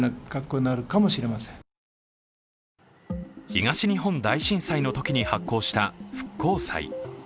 東日本大震災のときに発行した復興債。